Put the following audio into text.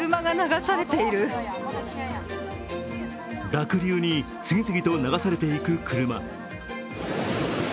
濁流に次々と流されていく車。